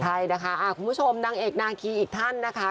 ใช่นะคะคุณผู้ชมนางเอกนาคีอีกท่านนะคะ